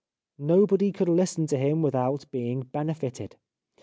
Nobody could listen to him without being benefited.